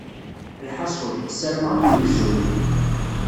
Lḥaṣul, ssarameɣ ad ken-gzun.